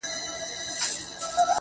چي واکداران مو د سرونو په زاريو نه سي,